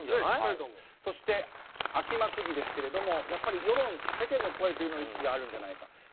そして、秋間区議ですがやっぱり世論、世間の声という意識があるんじゃないかと。